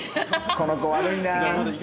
この子悪いな。